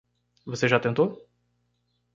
Você já tentou?